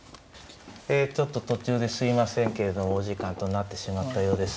えちょっと途中ですいませんけれどもお時間となってしまったようです。